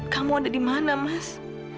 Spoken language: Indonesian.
kamu ada di mana mas